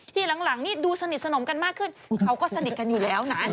ทีหลังนี่ดูสนิทสนมกันมากขึ้นเขาก็สนิทกันอยู่แล้วนะ